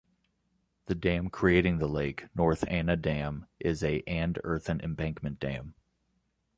The dam creating the lake, North Anna Dam, is a and earthen embankment dam.